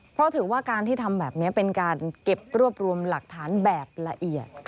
เพราะถือว่าการที่ทำแบบนี้เป็นการเก็บรวบรวมหลักฐานแบบละเอียด